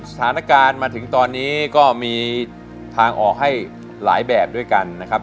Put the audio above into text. สถานการณ์มาถึงตอนนี้ก็มีทางออกให้หลายแบบด้วยกันนะครับ